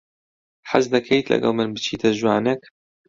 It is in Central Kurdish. حەز دەکەیت لەگەڵ من بچیتە ژوانێک؟